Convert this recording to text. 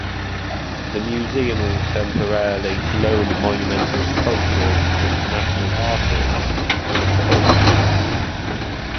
The museum will temporarily loan monumental sculptures of international artists to the sculpture garden.